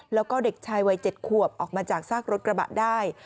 แล้วก็เด็กชายวัย๗ขวบออกมาจากซากรถกระบะได้